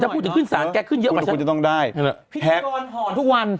จะพูดถึงขึ้นสารแกขึ้นเยอะมากคุณคุณจะต้องได้พิธีกรห่อนทุกวัน